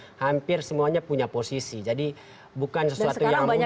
dan hampir semuanya punya posisi jadi bukan sesuatu yang mudah